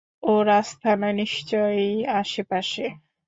ওর আস্তানা নিশ্চয়ই আশেপাশে।